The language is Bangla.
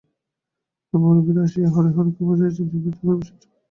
গ্রামের মুবুব্বীরা আসিয়া হরিহরকে বুঝাইয়া নিবৃত্ত করিবার চেষ্টা করিতে লাগিলেন।